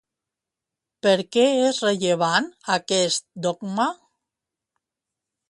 Per què és rellevant aquest dogma?